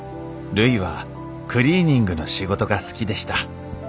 るいはクリーニングの仕事が好きでした。